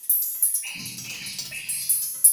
বেশ, বেশ, বেশ!